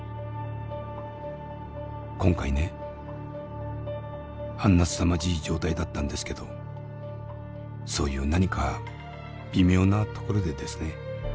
「今回ねあんなすさまじい状態だったんですけどそういう何か微妙なところでですね